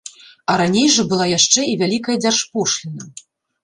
А раней жа была яшчэ і вялікая дзяржпошліна.